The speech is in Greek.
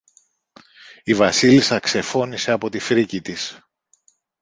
Η Βασίλισσα ξεφώνισε από τη φρίκη της